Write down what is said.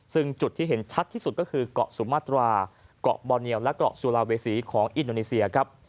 ซึ่งจุดที่เห็นชัดที่สุดก็คือเกาะสุมาตราเกาะบอเนียวและเกาะสุลาเวษีของอินโดนีเซียครับ